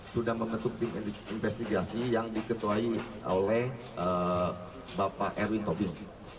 sudah membentuk tim investigasi yang diketuai oleh bapak erwin tobil